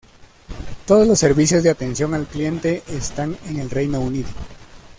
Todos los servicios de atención al cliente están en el Reino Unido.